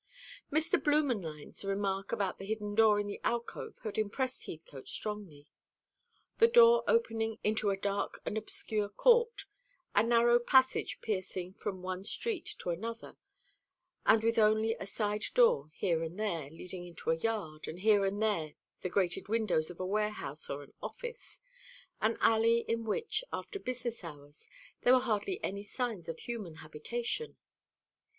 Mr. Blümenlein's remark about the hidden door in the alcove had impressed Heathcote strongly: the door opening into a dark and obscure court, a narrow passage piercing from one street to another, and with only a side door here and there leading into a yard, and here and there the grated windows of a warehouse or an office; an alley in which, after business hours, there were hardly any signs of human habitation.